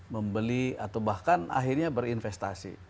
membeli atau bahkan akhirnya berinvestasi